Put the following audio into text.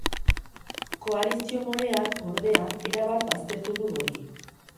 Koalizio moreak, ordea, erabat baztertu du hori.